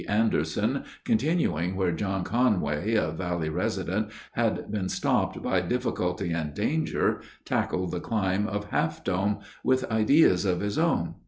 Anderson, continuing where John Conway, a valley resident, had been stopped by difficulty and danger, tackled the climb of Half Dome with ideas of his own.